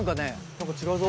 何か違うぞ。